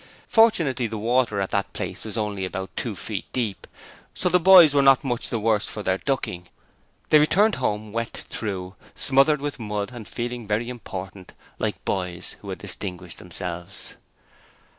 Fortunately the water at that place was only about two feet deep, so the boys were not much the worse for their ducking. They returned home wet through, smothered with mud, and feeling very important, like boys who had distinguished themselves.